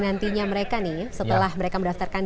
nantinya mereka nih setelah mereka mendaftarkan